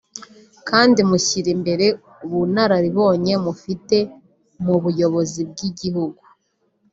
kandi mushyira imbere ubunararibonye mufite mu buyobozi bw’igihughu